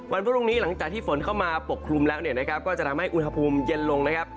พรุ่งนี้หลังจากที่ฝนเข้ามาปกคลุมแล้วเนี่ยนะครับก็จะทำให้อุณหภูมิเย็นลงนะครับ